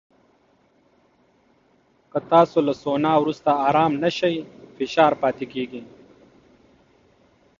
که تاسو له سونا وروسته ارام نه شئ، فشار پاتې کېږي.